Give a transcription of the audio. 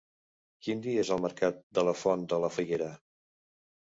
Quin dia és el mercat de la Font de la Figuera?